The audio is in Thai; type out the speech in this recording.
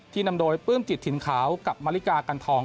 นำโดยปลื้มจิตถิ่นขาวกับมาริกากันทอง